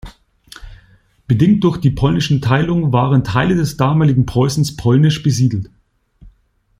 Bedingt durch die polnischen Teilungen waren Teile des damaligen Preußens polnisch besiedelt.